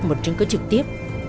một chứng cứ trực tiếp